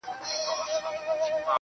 سري وخت دی، ځان له دغه ښاره باسه.